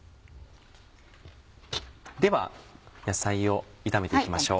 では野菜を炒めていきましょう。